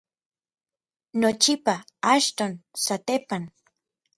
nochipa, achton, satepan